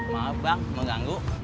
maaf bang mengganggu